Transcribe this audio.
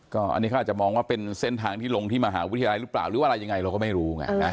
อันนี้เขาอาจจะมองว่าเป็นเส้นทางที่ลงที่มหาวิทยาลัยหรือเปล่าหรือว่าอะไรยังไงเราก็ไม่รู้ไง